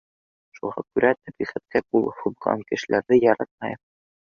Шуға күрә тәбиғәткә ҡул һуҙған кешеләрҙе яратмайым